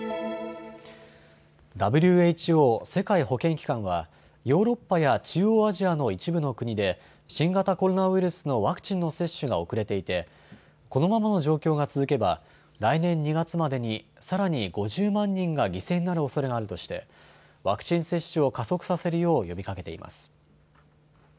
ＷＨＯ・世界保健機関はヨーロッパや中央アジアの一部の国で新型コロナウイルスのワクチンの接種が遅れていてこのままの状況が続けば来年２月までにさらに５０万人が犠牲になるおそれがあるとしてワクチン接種を加速させるよう呼びかけています。